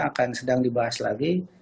akan sedang dibahas lagi